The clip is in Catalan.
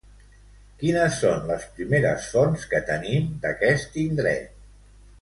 Quines són les primeres fonts que tenim d'aquest indret?